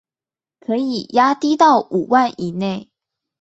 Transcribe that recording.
可以壓低到五萬以內